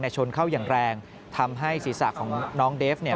ในชนเข้ายังแรงทำให้ศีรษะของน้องเดฟ